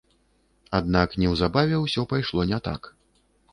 Аднак неўзабаве ўсё пайшло не так.